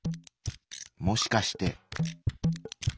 もしかして。